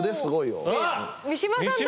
三島さんだ！